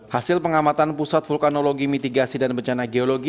hasil pengamatan pusat vulkanologi mitigasi dan bencana geologi